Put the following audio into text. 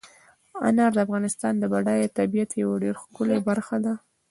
انار د افغانستان د بډایه طبیعت یوه ډېره ښکلې برخه ده.